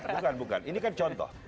bukan bukan ini kan contoh